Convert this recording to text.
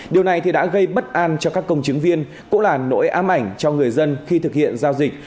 điều này thì đã gây bất an cho các công chứng viên cũng là nỗi ám ảnh cho người dân khi thực hiện giao dịch